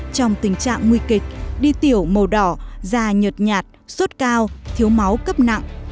trong tình trạng nguy kịch đi tiểu màu đỏ da nhợt nhạt suốt cao thiếu máu cấp nặng